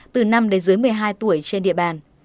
từ năm đến dưới một mươi hai tuổi trên địa bàn